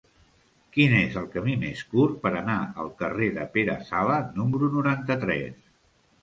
Quin és el camí més curt per anar al carrer de Pere Sala número noranta-tres?